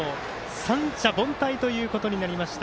三者凡退ということになりました。